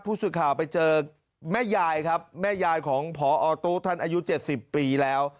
ผู้สื่อข่าวไปเจอแม่ยายครับแม่ยายของพอตู้ท่านอายุ๗๐ปีแล้ว